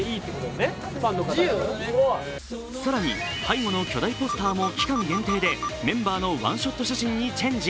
更に、背後の巨大ポスターも期間限定でメンバーのワンショット写真にチェンジ。